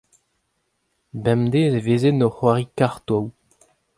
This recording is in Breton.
bemdez e vezent o c'hoari kartoù.